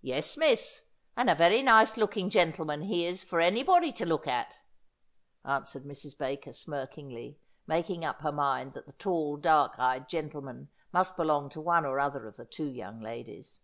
Yes, miss, and a very nice looking gentleman he is for any body to look at,' answered Mrs. Baker smirkingly, making up her mind that the tall dark eyed gentleman must belong to one or other of the two young ladies.